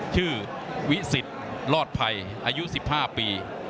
ชื่อวิสิทธิ์รอดภัยอายุ๑๕ปี